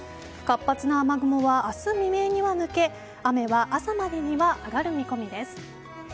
活発な雨雲は明日未明には抜け雨は朝までには上がる見込みです。